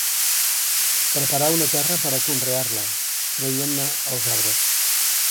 Preparar una terra per a conrear-la, traient-ne els arbres.